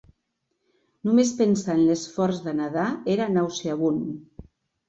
Només pensar en l'esforç de nedar era nauseabund.